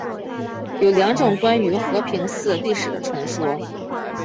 有两种关于和平寺历史的传说。